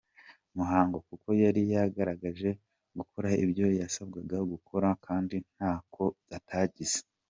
muhango kuko yari yaragerageje gukora ibyo yasabwaga gukora kandi ntako atagize.